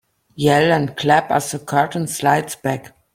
Yell and clap as the curtain slides back.